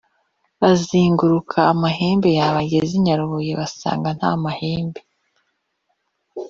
baziguruka amahembe yabageza i nyarubuye: basanga nta mahembe